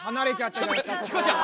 チコちゃん！